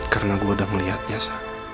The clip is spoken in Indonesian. karena gue udah melihatnya sa